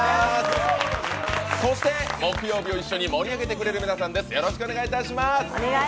そして木曜日を一緒に盛り上げてくれる皆さんです。